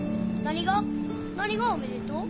何がおめでとう？